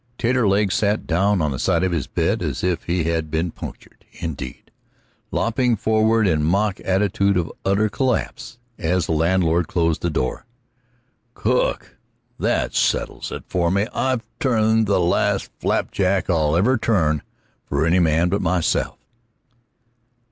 Taterleg sat down on the side of his bed as if he had been punctured, indeed, lopping forward in mock attitude of utter collapse as the landlord closed the door. "Cook! That settles it for me; I've turned the last flapjack I'll ever turn for any man but myself."